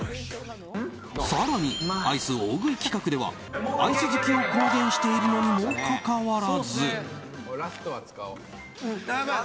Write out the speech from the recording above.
更に、アイス大食い企画ではアイス好きを公言しているのにもかかわらず。